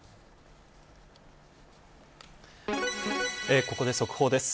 ここで速報です。